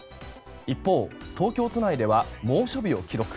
一方、東京都内では猛暑日を記録。